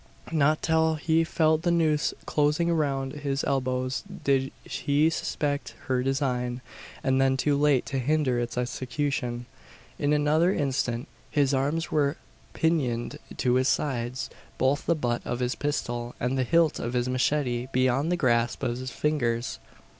Not till he felt the noose closing around his elbows did he suspect her design; and then too late to hinder its execution. In another instant his arms were pinioned to his sides both the butt of his pistol and the hilt of his machete beyond the grasp of his fingers!